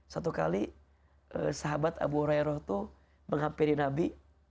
satu kali sahabat abu hurairah tuh menghampiri nabi